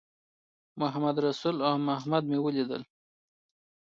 محمدرسول او محمد مې ولیدل.